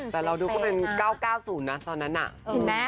แต่เราดูก็เป็น๙๙๐นะตอนนั้นน่ะเห็นไหม